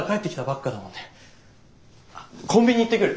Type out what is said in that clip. コンビニ行ってくる。